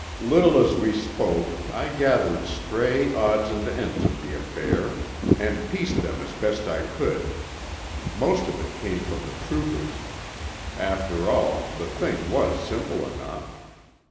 Little as we spoke I gathered stray odds and ends of the affair, and pieced them as best I could. Most of it came from the troopers. After all, the thing was simple enough.